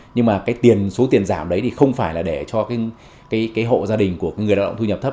nhưng mà số tiền giảm đấy không phải để cho hộ gia đình của người lao động thu nhập thấp